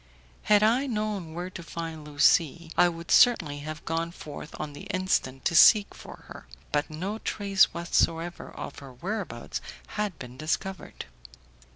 Had I known where to find Lucie, I would certainly have gone forth on the instant to seek for her, but no trace whatever of her whereabouts had been discovered.